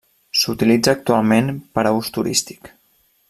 S'utilitza actualment per a ús turístic.